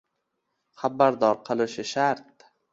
xabardor qilishi shart.